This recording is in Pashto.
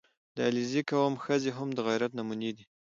• د علیزي قوم ښځې هم د غیرت نمونې دي.